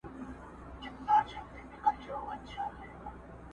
ما خو پرېږده نن رویبار په وینو ژاړي!